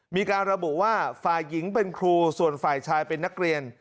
มีการระบุว่าฝ่ายหญิงเป็นครูส่วนฝ่ายชายเป็นนักเรียน